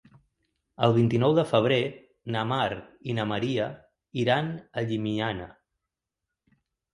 El vint-i-nou de febrer na Mar i na Maria iran a Llimiana.